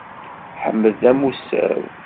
Ḥmed d amusam.